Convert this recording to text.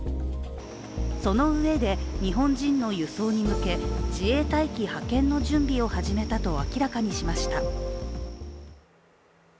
そのうえで、日本人の輸送に向け自衛隊機派遣の準備を始めたと明らかにしました。